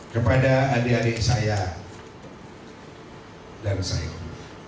kepada adik adik saya dan saya